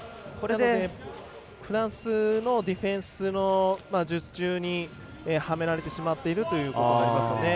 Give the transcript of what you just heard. フランスのディフェンスの術中にはめられてしまっているということになりますよね。